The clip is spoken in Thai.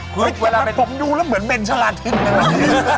เมื่อมันปล่มยูแล้วเหมือนเป็นชะลาดทิ้ง